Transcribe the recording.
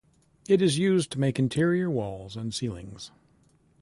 It is used to make interior walls and ceilings.